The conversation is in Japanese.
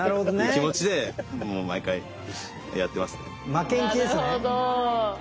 負けん気ですね。